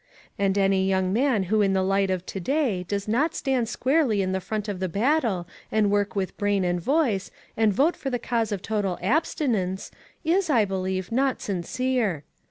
And any young man who in the light of to day does not stand squarely iu the front of the battle and work with brain and voice, and vote for the cause of total abstinence, is, I believe, not sincere.